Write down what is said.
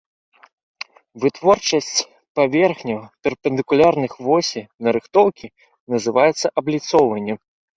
Вытворчасць паверхняў, перпендыкулярных восі нарыхтоўкі, называецца абліцоўваннем.